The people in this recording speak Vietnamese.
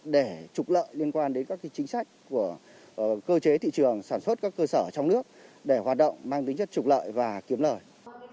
để trục lợi liên quan đến các chính sách của cơ chế thị trường sản xuất các cơ sở trong nước để hoạt động mang tính chất trục lợi và kiếm lời